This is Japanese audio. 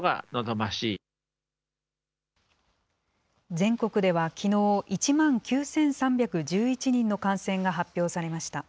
全国ではきのう、１万９３１１人の感染が発表されました。